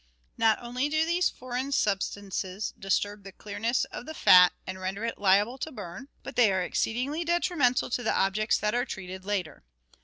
Not only do these foreign substances disturb the clearness of the fat and render it liable to burn, but they are exceedingly detrimental to the objects that are treated later.